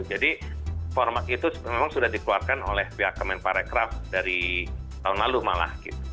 jadi format itu memang sudah dikeluarkan oleh pihak kemenparekraf dari tahun lalu malah